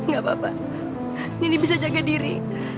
gak apa apa ini bisa jaga diri